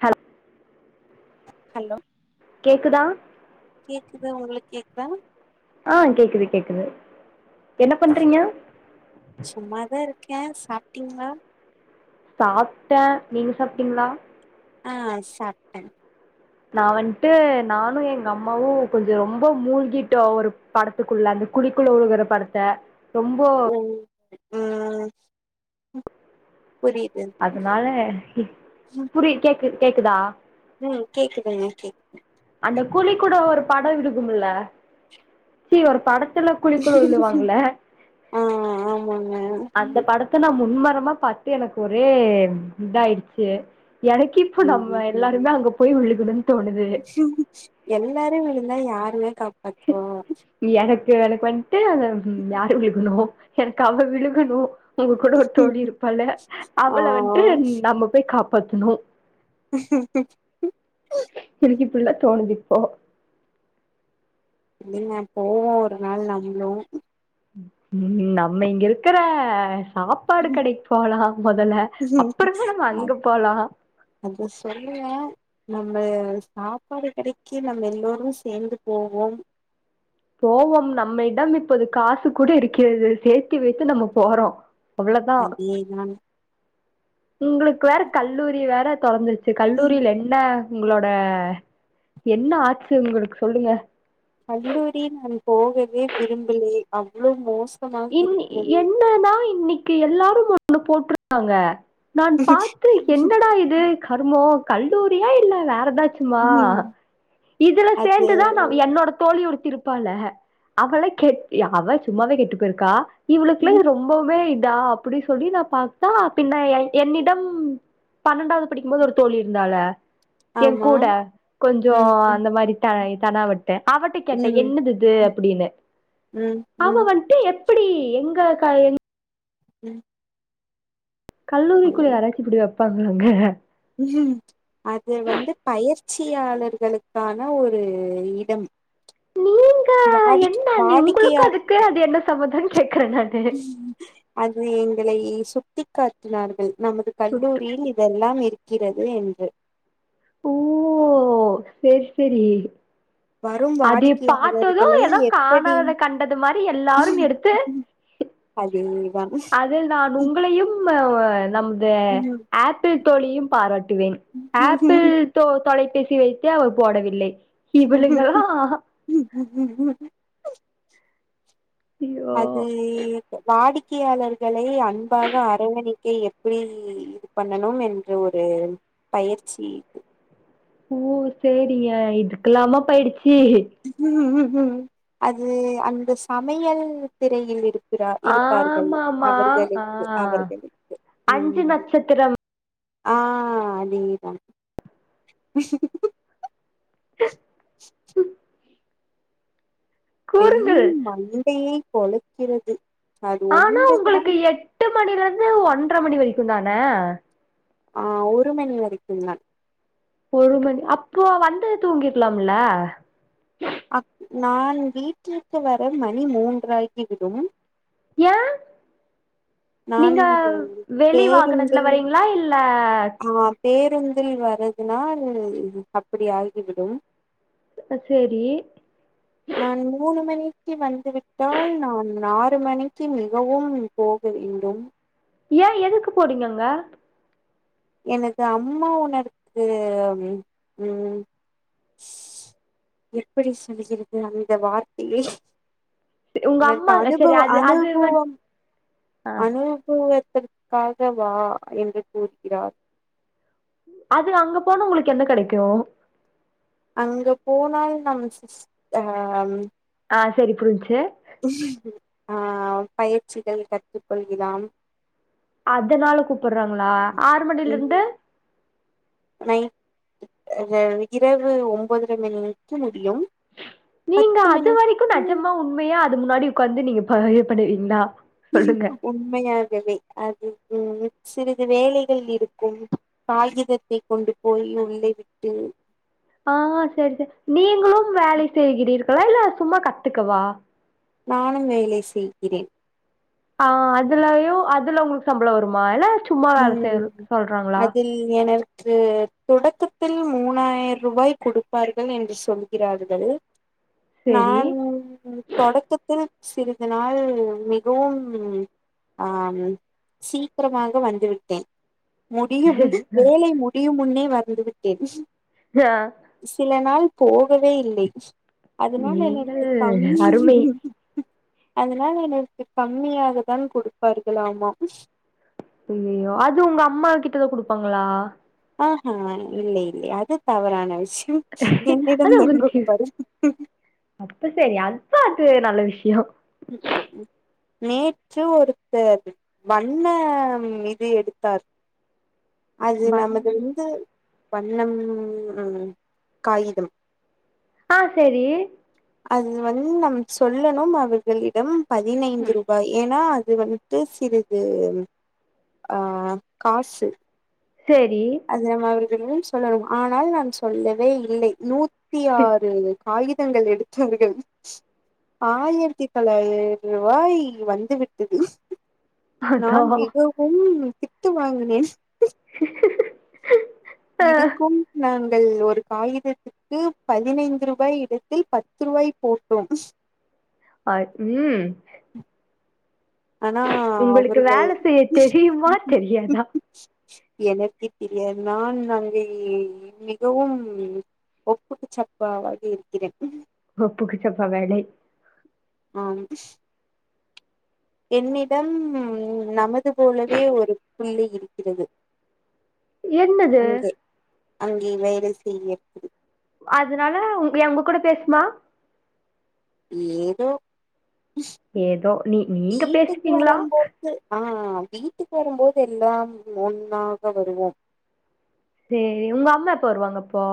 த் ஹலோ கேக்குது உங்களுக்கு கேக்குதா ஆ கேக்குது கேக்குது என்ன பண்றீங்க க்கேன் சாப்பிட்டீங்களா சாப்ட்டேன் நீங்க சாப்ட்டீங்களா ஆ சாப்ட்டே நான் வந்துட்டு நானும் எங்க அம்மாவும் கொஞ்சம் ரொம்ப மூழ்கிட்டோ ஒரு படத்துக்குள்ள அந்த குழிக்குள்ள ஒழுகுற படத்த ரொம்ப அ அதனால புரிய கே கேக் கேக்குதா ம் கேக்குதுங்க கேக்குது அந்த குழி கூட ஒரு படம் விடுக்கும்ல சி ஒரு பட ஆ ஆமாங்க அந்த படத்த நான் முன்ம அப்புறமா பத்து எனக்கு ஒரே இத ஆயிடுச்சு எனக்கு இப்ப நம்ம எல்லாருமே அங்க போய் [unintelligible] எல்லாரும் விழுந்தா யாருமே காப்ப அக்கோ எனக்கு வந்துட்டு அ யாரு விழுகணும் எனக்கு அவ விழுகணும் உங்க கூட ஒரு தோழி இருப்பள் ஆ அவள வந்துட்டு நம்ம போய் காப்போ பத்துணு க்கு பள்ள தோணு்சிப்போ நீங்க [unintelligible] போவோம் ஒரு நாள் நம்பலும் ம் நம்ம இங்க இருக்கிற சாப்பாடு கடைக்கு போலாம் மெதல்ல அப்புற மே நம் அ அங்க போலாம் அத சொல்லுங்க நம்ம சாப்பாடு கெடைக்கு நம்ம எல்லோரும்ரும் சேர்ந்து போவோம் போவோம் நம்ம இடம் இப்போது காசு கூட இருக்கிறது சேர்த்து வைத்துு நம்ம போறோம் அது ஏதான் உங்களுக்கு வேற கல்லூரி வேற தொடர்ந்துருச்சு ம். கல்லூரியில என்ன உங்களோட என்ன ஆச்சு உங்களுக்கு சொல்லுங்க கல்லூரி நான் போகவே விரும்பலே அவ்ளவு மோச இ என்னன்னா இன்னைக்கு எல்லாரும் போட்ருக்காங்க நான் பார்த்து என்னடா இது கர்மம் கல்லூரியா இல்ல வேறதாவ சும்மா ம். இதுல அது சேர்ந்துதான் நான் என்னோட தோழி ஒரு இருப்பாள அவள கெட சும்மாவே கெட்டு இருக்கா இவளுக்குல்லாம் இது ரொம்பவும நா அப்படிி சொல்லி நான் பாத்தா பின்ன என்னிடம் பன்னெண்டாவது படிக்கும்போது ஒரு தோழி இருந்தால என் ஆமா. கூட கொஞ்சம் ம், ம், அந்த மாதிரி த கடாவட்ட ட்டேன் அவட்ட கேட்டேன் ம். என்னது இது ம், அப்படின்னு ம், அவ ம், வந்து எங்கக்கா எங்க ம் ஹலோ. கல்லூரிக்குள்ள ஆராச்சி இப்டிவா ப்படறாங்க அது வந்து பயிற்சியாளர்களுக்கான ஒரு இடம் நீங்க வாடிக் என்ன நீ உங்களுக்கு வாடிக்கையாளர் அதுக்கு அது என்ன சமதம் அது ங்களை சுட்டி காட்டினார்கள் நமது சுட்டு கல்லூரியில் இதெல்லாம் இருக்கு இருக்கிறது என்று ஓ செரி செரி வரும் அது பார்த்ததும் வாடிக்கையாளர்களை ஏதோ எப்படி காணாததை கண்டது மாதிரி எல்லாரும் எடுத்து அதேதான் அதில் நான் உங்களையும் [unintelligible] நமது ஆப்பிள் தோழியும் பாராட்டக்க வேன் ஆப்பிள் தொ தொலைத்து பேசி வைத்து அவர் போடவில்லை இவளுங்களா [inaudible] [inaudible] ஐயோ அது வாடி வாக்கியாளர்களை அன்பாக அரவணைக்க எப்டி இ இது பண்ணணும் என்று ஒரு பயிற்சி ஓ செரிங்க இதுக்கெல்லாமா பயிற் [inaudible] ம் அது அந்த சமையல் திரையில் இருக்கு ஆமாமா ஆ அவர்கள் அஞ்சு ம் நட்சத்திரம் ஆ நீதா கூறுங்கள். வெயில் மண்டையை பொலக்கிறது ஆனா உங்களுக்கு எட்டு மணிலந்து அ ஒன்ற மணி வரைக்கு தான ஆஹ் ஒரு மணி வரைக்கு தா ஒரு மணி அப்போ வந்து தூங்கிரலாம்ல அ நான் வீட்டிற்கு வர மணி மூன்றாகிவிடும் ஏ நான் நீங்க வெளிவாகனத்துல பேருந்தில் வரீங்களா இல்ல தில் வரதுனால் அப்படி ஆகிவிடும் அ செரி நான் மூணு மணிக்கு வந்துவிட்டால் நான் ஆறு மணிக்கு மிகவும் போக வேண்டும் ஏன் எதுக்கு போறீங்கங்க எனது அம்மா உணருக்கு உம் எப்படி சொல்கிறது அந்த வார்த்தையை உங்க உனக்கு அம்மா சரி அனுபவ அது அது வந் அனுபவம் ஆ அனுபவ அதற்காக வா என்று கூறி ரார் அது அங்க போனா உங்களுக்கு என்ன கிடைக்கு அங்க போனால் நம்ம சிஹ் அ ஆ சரி புரிஞ்சுச்சு ஆஹ் பயிற்சிகள் கற்றுக்கொள்ளலாம் அதனால கூப்டுறாங்களா ஆறு மணில ம் இருந்து இரவு ஒன்பதரை மணிக்கு முடியும் நீங்க பத்து அது வரைக்கு மணிக்கு நெஜமா உண்மையா அது முன்னாடி உட்காந்து நீங்க ஏ பண்ணுவீங்களா சொல்லுங்க. உண்மையாகவே அது உம் சிறிது வேலைகள் இருக்கும் காகிதத்தை கொண்டு போய் உள்ளே விட்டு ஆஹ் சரி சரி நீங்களும் வேலை செய்கிறீ இரு லையில சும்மா கத்துக்கவா நானும் வேலை செய்கிறேன் ஆஹ் அதுலயும் அதுல உங்களுக்கு சம்பளம் வருமா ஏன சும்மாது ச ம் சொல்றாங்களா அதில் எனக்கு தொடக்கத்தில் மூணாயிரம் ரூபாய் கொடுப்பார்கள் என்று சொல்கிறார்கள் சரி. நான் தொடக்கத்தில் சிறிது நாள் மிகவும் அஹ சீக்கிரமாக வந் வந்து விட்டேன் முடியும் வேலை முடியும் முன்னே வறந்து விட்டேன் ஆ. சில நாள் போகவே இல்லை அதனால நீங்கள் எனக்கு தமி அருமை. அதனால எனக்கு கம்மியாக தான் கொடுப்பார்காலமாம் சயயோ அது உங்க அம்மா கிட்டத கொடுப்பாங்களா ஆஹ்ஹ இல்லலை இல்லலை அது தவறான விசயம் என்னத அது நன் உங்களுக்கு குப்பரு அப்ப சரி அப்ப அது நல்ல விஷயம் உம்ம் நேற்று ஒருத்த வண்ண இது எடுத்தார் அது நமது வந்து பண்ணம் உம் உம் காகிதம் ஆஹ் சரி அது வந்து நம் சொல்லணும் அவர்களிடம் பதினைந்து ரூபாய் ஏனா அது வந்துட்டு சிறிது ஆஹ் காசு சரி அது நம்ம சொல்லணும் ஆனால் நான் சொல்லவே இல்லை நூத்தி தியாரு ஆயுதங்கள் எடுத்தவாரர்கள் ஆயிரத்தி தொள்ளாயிரம் ரூபாய் வந்து விட்டது நான் அதா. மிகவும் தித்து வாங்கினேன் ஆ இதுக்கும் நான் ஒரு காகிதத்துக்குப் பதினைந்து ரூபாய் இடத்தில் பத்து ரூபாய் போட்டோம் ஆஹ உம் ஆனா உங்களுக்கு அவர்கள் வேல செய்ய தெரியுமா தெரியாதா எனக்கே தெரியாது நான் அங்கே மிகவும் ஒப்புக்கு சப்பாவாக இருக்கிறே ஒப்புக்குச்சப்பா வேலை ஆஹ் என்னிடம் நமது போலவே ஒரு புள்ளி இருக்கிறது என்னது அங்கே அங்கே வேறு செய்யக் அதனால எங் உங்க கூட பேசுமா ஏதோ ஏதோ நீ நீங்க வீட்டுக்கு பேசுவீங்களா வரம்போது ஆஹ் வீ சுட்டி போறம் போது எல்லாம் ஒன்னாக வருவோம் சேரி உங்க அம்மா எப்ப வருவாங்கப்பா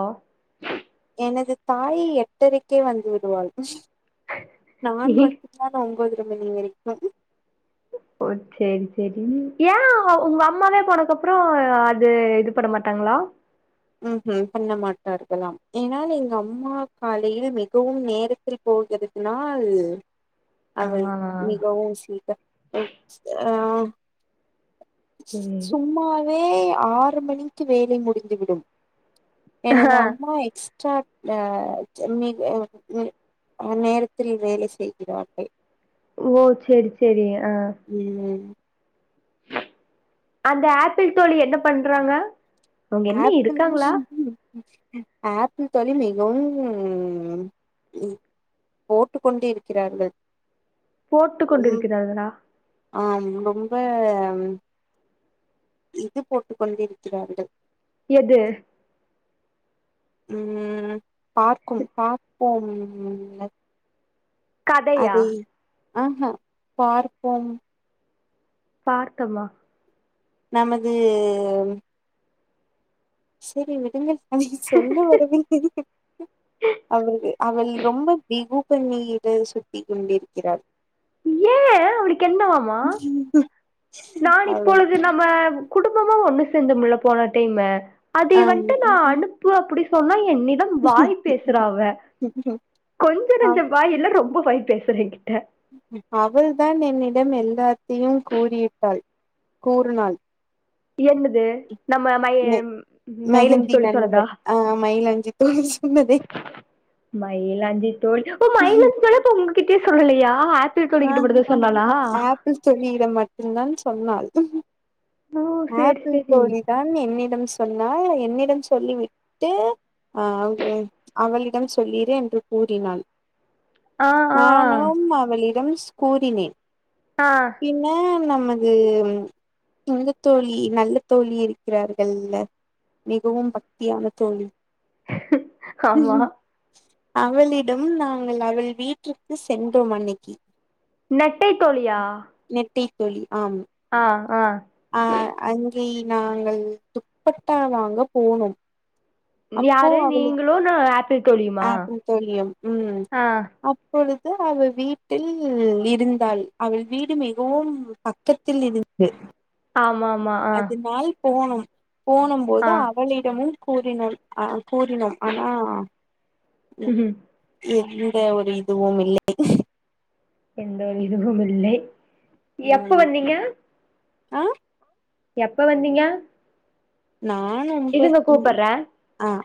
எனது தாய் எட்டரைக்கே வந்து விடுவாள் நான் மட்டு்தான் ஒம்பது ஒன்பது மணி வரைக்கும் ஓ சேரி சேரி ஏ உங்க அம்மாவே போனக்கப்ரோ அது இது பண்ண மாட்டாங்களா ஹம் ஹம் பண்ண மாட்டார்களாம் ஏனா எங்க அம்மா காலையில் மிகவும் நேரத்தில் போகிறதுனால் அவள் ஆ மிகவும் ஸ்வீட்டா அ ஆஹ் சேரி சும்மா வே ஆறு மணிக்கு வேலை முடிந்துவிடும் எனது அம்மா எக்ஸ் ச்சாப்ட செம்மீன் வேகவெசு நேரத்தில் வேலை செய்கிறார்கள் ஓ சேரி சேரி ஆ உம் அந்த ஆப்பிள் தோழி என்ன பண்றாங்க அவங்க என்ன ஆப் இருக்காங்களா ஆ தோழி மிகவும் போட்டுக்கொண்டு இருக்கிறார்கள் போட்டு உம் கொண்டிருக்கிறார்களா ஆஹ் ரொம்ப உம் இது போட்டுக்கொண்டிருக்கிறார்கள் எது உம் பார்க்கும் பார்ப்போம் கதையா ஆஹ ஹ பார்ப்போம் பார்க்கமா நமதூ சரி விடுங்க அவுள்க்கு சொல்ல வரவில்லை அவள் அவள் ரொம்ப பிகு பண்ணியேடு சுத்தி கொண்டிருக்கிறாள் ஏன் அவுளுக்கு என்னவாமா நான் அவள் இப்பொழுது நம்ம குடும்பமா ஒண்ணு ந்த முள்ள போன டைம்ல அதை ஆம் வந்துட்டு நான் அனுப்புல அப்புடி சொன்னாள் என்னிடம் வாய் பேசுறவ கொஞ்சம் அவ் நஞ்சம் வாயல்ல ரொம்ப வாய் பேசு செரிங்க அவள்தான் என்னிடம் எல்லாம் எல்லாத்தையும் கூறிவிட்டாள் கூறினாள் என்னது நம்ம மயி மெ மயிலாஞ்சு தோழி சொன்னதா இப்ப மயிலாஞ்சி தோல் ஓ மயிலாஞ்சி தோழி போங்க கிட்டே சொல்லலையா ஆப்பிள் தோழி கிட்ட மட்டுந்தா ஆஹ்ஹ சொன்னாளா ஆப்பிள் தோழியிடம் மட்டும் தான் சொன்னாள் ஓ சேரி ஆப்பிள் சேரி தோழி தான் என்னிடம் சொன்னாள் என் என்னிடம் சொல்லிவிட்டு அஹ் அவ்வு அவளிடம் சொல்லீரு என்று கூறினாள் ஆஹ் ஆஹ் ம்ஸ் கூறினேன் என்ன நம் நமது இந்தத் தோழி நல்ல தோழி இருக்கிறார்கள் மிகவும் பக்தியான தோழி ஆமா அவளிடம் நாங்கள் அவள் வீட்டிற்கு சென்றோம் அன்னிக்கு நெட்டை தோழியா தோழி ஆம் ஆஹ் ஆஹ் அவுன் ஏய் நாங்கள் துப்பட்டா வாங்க போனோம் யாரு நீங்களும் நான் ஆப்பிள் தோழியுமா ஆப்பிள் தோழியம் ம் ஆஹ் அப்பொழுது அவள் வீட்டில் இருந்தாள் அவள் வீடு மிகவும் பக்கத்தில் இருந்து ஆமாம் ம ஆ போகணும் போனும் போது ஆ அவளிடமும் [unintelligible] ம் உ ஒரு இதுவும் இல்லை எந்த ஒரு இதுவும் இல்லை எப்ப வந்தீங்க ஆஹ எப்ப வந்தீங்க நான் ஒன்ப இருங்க கூப்பட்றே ஆ